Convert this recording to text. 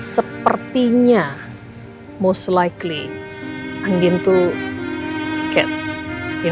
sepertinya most likely andiin tuh kayak you know terkenal